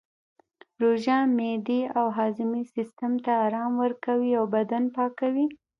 روژه معدې او هاضمې سیستم ته ارام ورکوي او بدن پاکوي